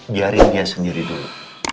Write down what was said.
biarin dia sendiri dulu